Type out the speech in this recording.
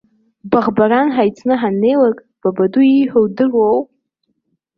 Баӷмаран ҳаицны ҳаннеилак, бабаду ииҳәо удыруоу.